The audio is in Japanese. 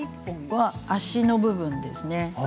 脚の部分ですね。